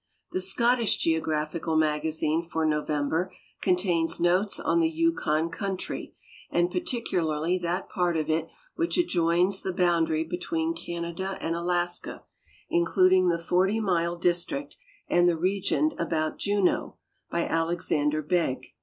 The Scottish Geographical Magazhte for November contains notes on tlie Yukon country, and particularly that part of it which adjoins tlie bound ary between Canada and Alaska, inchuling the Forty Mile district, and the region about Juneau, by Alexander Begg.